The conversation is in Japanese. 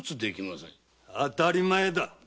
当たり前だ。